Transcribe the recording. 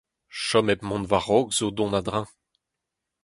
Chom hep mont war-raok zo dont a-dreñv.